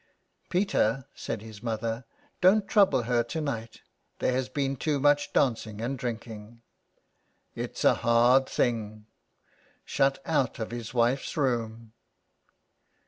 Peter," said his mother, '' don't trouble her to night. There has been too much dancing and drinking." '' It's a hard thing .... shut out of his wife's room."